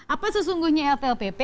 apa sesungguhnya flpp